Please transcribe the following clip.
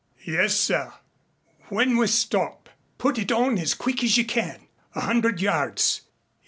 "Yes, sir." "When we stop put it on as quick as you can. A hundred yards.